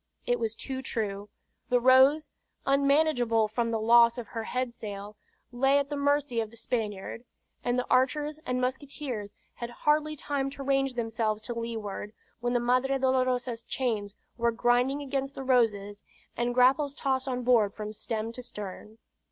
It was too true. The Rose, unmanageable from the loss of her head sail, lay at the mercy of the Spaniard; and the archers and musketeers had hardly time to range themselves to leeward, when the Madre Dolorosa's chains were grinding against the Rose's, and grapples tossed on board from stem to stern.